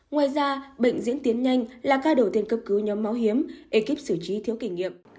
ngoài ra bệnh diễn tiến nhanh là ca đầu tiên cấp cứu nhóm máu hiếm ekip xử trí thiếu kinh nghiệm